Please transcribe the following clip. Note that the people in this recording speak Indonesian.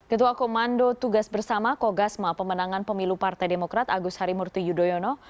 ketua komando tugas bersama kogasma pemenangan pemilu partai demokrat agus harimurti yudhoyono